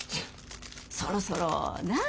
そろそろなあ？